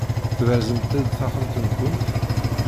Tberzemt-d taxxamt-nkent?